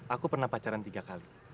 aku pernah pacaran tiga kali